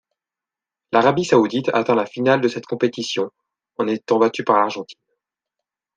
L'Arabie saoudite atteint la finale de cette compétition, en étant battue par l'Argentine.